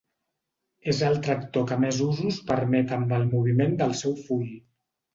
És el tractor que més usos permet amb el moviment del seu full.